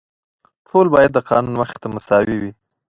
ټول باید د قانون مخې ته مساوي وي.